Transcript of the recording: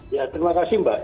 ya terima kasih mbak